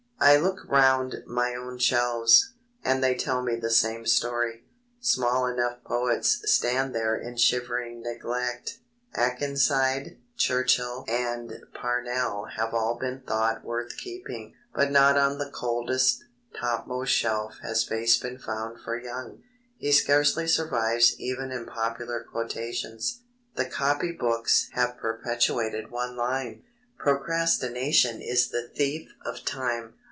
I look round my own shelves, and they tell the same story. Small enough poets stand there in shivering neglect. Akenside, Churchill and Parnell have all been thought worth keeping. But not on the coldest, topmost shelf has space been found for Young. He scarcely survives even in popular quotations. The copy books have perpetuated one line: Procrastination is the thief of time.